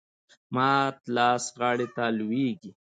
مات لاس غاړي ته لویږي .